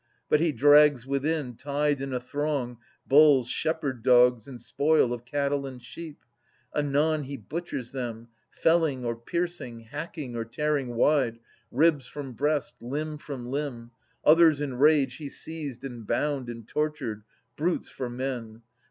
But he drags within, Tied in a throng, bulls, shepherd dogs, and spoil Of cattle and sheep. Anon he butchers them, Felling or piercing, hacking or tearing wide. Ribs from breast, limb from limb. Others in rage He seized and bound and tortured, brutes for men.